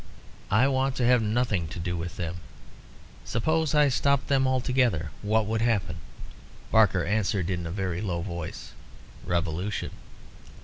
I want to have nothing to do with them. Suppose I stopped them altogether. What would happen?" Barker answered in a very low voice "Revolution."